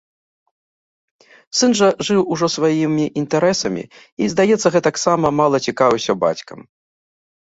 Сын жа жыў ужо сваімі інтарэсамі і, здаецца, гэтаксама мала цікавіўся бацькам.